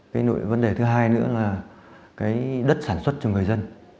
cái vấn đề thứ hai nữa là cái đất sản xuất cho người dân